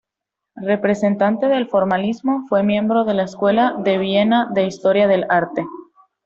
Representante del formalismo, fue miembro de la Escuela de Viena de Historia del Arte.